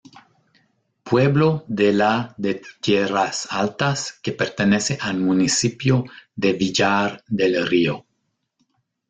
Pueblo de la de Tierras Altas que pertenece al municipio de Villar del Río.